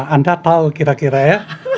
anda tahu kira kira ya